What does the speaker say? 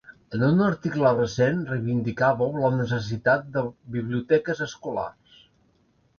En un article recent reivindicàveu la necessitat del biblioteques escolars.